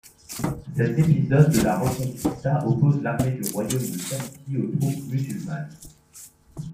Cet épisode de la Reconquista oppose l'armée du royaume de Castille aux troupes musulmanes.